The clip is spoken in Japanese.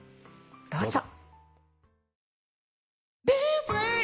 どうぞ。